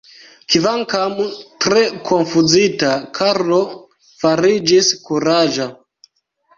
Kvankam tre konfuzita, Karlo fariĝis kuraĝa.